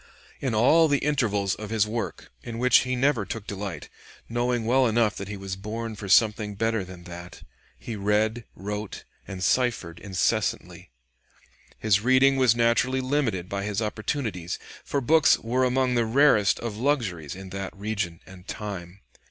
In all the intervals of his work in which he never took delight, knowing well enough that he was born for something better than that he read, wrote, and ciphered incessantly. His reading was naturally limited by his opportunities, for books were among the rarest of luxuries in that region and time.